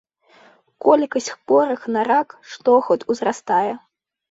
Колькасць хворых на рак штогод узрастае.